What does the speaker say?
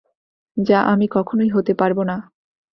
যা আমি কখনোই হতে পারবো না।